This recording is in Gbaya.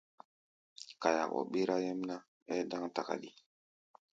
Kaya ɔ́ ɓérá nyɛ́mná, ɛ́ɛ́ dáŋ takáɗi.